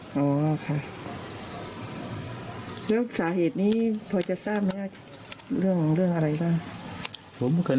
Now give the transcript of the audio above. แล้วสาเหตุนี้พอจะทราบไหมอะเรื่องอะไรนะ